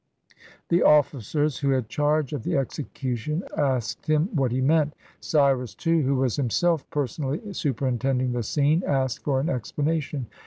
The officers who had charge of the execution asked him what he meant. Cyrus, too, who was himself per sonally superintending the scene, asked for an explana tion.